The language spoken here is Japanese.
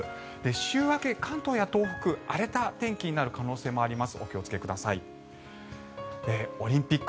週明け、関東や東北荒れた天気になる可能性もあります。